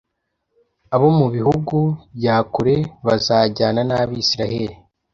Abo mu bihugu bya kure bazajyana n’Abayisraheli,